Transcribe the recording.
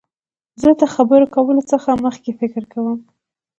زه د خبرو کولو څخه مخکي فکر کوم.